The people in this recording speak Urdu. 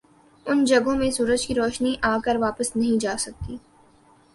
ان جگہوں میں سورج کی روشنی آکر واپس نہیں جاسکتی ۔